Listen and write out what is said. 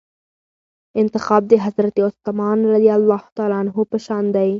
انتخاب د حضرت عثمان رضي الله عنه په شان دئ.